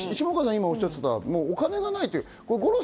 今おっしゃっていたお金がない。